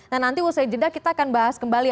nah nanti usai jeda kita akan bahas kembali